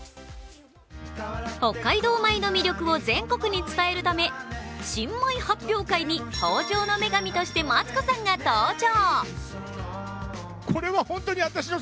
北海道米の魅力を全国に伝えるため新米発表会に豊穣の女神としてマツコさんが登場。